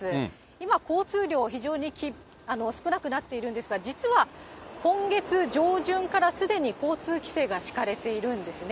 今、交通量、非常に少なくなっているんですが、実は、今月上旬からすでに交通規制が敷かれているんですね。